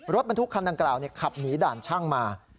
รถบรรทุกคันดังกล่าวขับหนีด่านช่างมา